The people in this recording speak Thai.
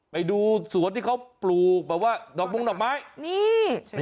ไปดูสวนที่เขาปลูกแบบว่าดอกมงดอกไม้นี่